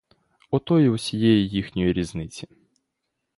Ото й усієї їхньої різниці.